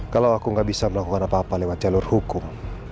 kalau aku nggak bisa melakukan apa apa lewat jalur hukum